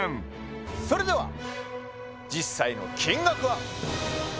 それでは実際の金額は？